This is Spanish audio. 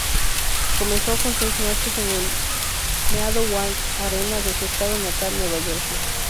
Comenzó con seis noches en el Meadowlands Arena de su Estado natal, Nueva Jersey.